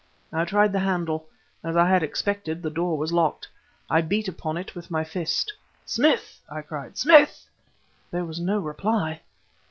I tried the handle. As I had expected, the door was locked. I beat upon it with my fist. "Smith!" I cried "Smith!" There was no reply.